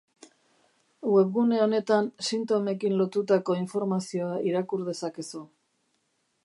Webgune honetan sintomekin lotutatutako informazioa irakur dezakezu.